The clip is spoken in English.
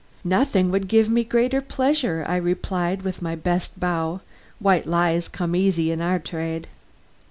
"Nothing would give me greater pleasure," I replied with my best bow; white lies come easy in our trade.